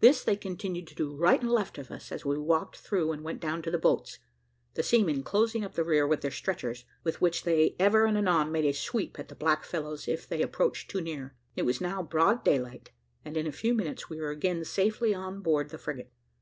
This they continued to do, right and left of us, as we walked through and went down to the boats, the seamen closing up the rear with their stretchers, with which they ever and anon made a sweep at the black fellows if they approached too near. It was now broad daylight, and in a few minutes we were again safely on board the frigate.